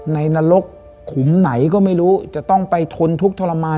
นรกขุมไหนก็ไม่รู้จะต้องไปทนทุกข์ทรมาน